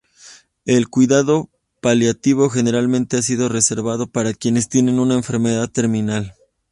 El cuidado paliativo generalmente ha sido reservado para quienes tienen una enfermedad terminal.